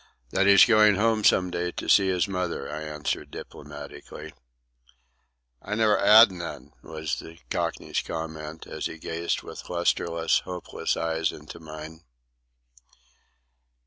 "That he's going home some day to see his mother," I answered diplomatically. "I never 'ad none," was the Cockney's comment, as he gazed with lustreless, hopeless eyes into mine.